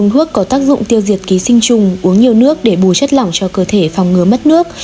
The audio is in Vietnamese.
thuốc có tác dụng tiêu diệt ký sinh trùng uống nhiều nước để bù chất lỏng cho cơ thể phòng ngứa mất nước